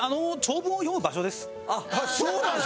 あっそうなんだ？